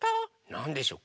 なんでしょう？